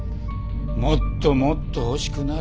もっともっと欲しくなる。